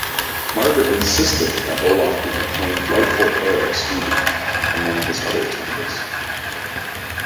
Margaret insisted that Olaf be proclaimed rightful heir of Sweden, among his other titles.